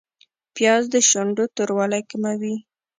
پیاز د شونډو توروالی کموي